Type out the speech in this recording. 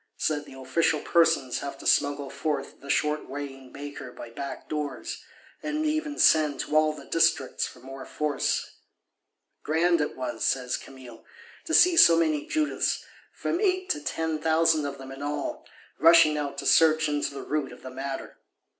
So that the official persons have to smuggle forth the short weighing Baker by back doors, and even send "to all the Districts" for more force. Grand it was, says Camille, to see so many Judiths, from eight to ten thousand of them in all, rushing out to search into the root of the matter!